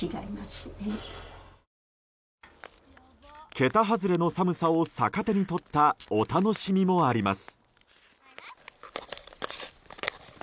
桁外れの寒さを逆手に取ったお楽しみもあります。